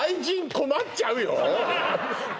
困っちゃう」よねえ